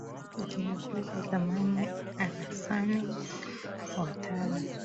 waziri mkuu wa zamani alasane watara